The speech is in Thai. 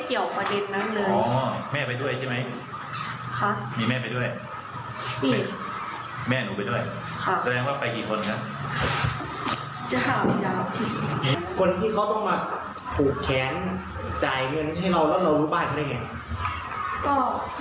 เชียวแบบตอนนี้คนที่ต้องปลูกแขนเงินให้เรารู้บ้านก็ได้อย่างไร